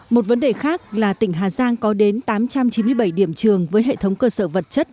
một vấn đề khác là tỉnh hà giang có đến tám trăm chín mươi bảy điểm trường với hệ thống cơ sở vật chất